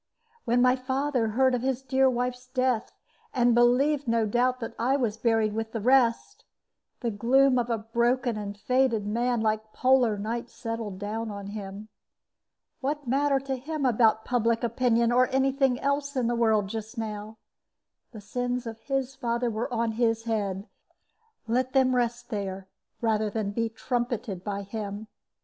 When my father heard of his dear wife's death, and believed, no doubt, that I was buried with the rest, the gloom of a broken and fated man, like polar night, settled down on him. What matter to him about public opinion or any thing else in the world just now? The sins of his father were on his head; let them rest there, rather than be trumpeted by him.